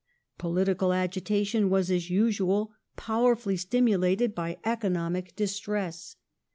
Political agitation was, as usual, powerfully stimulated by economic distress.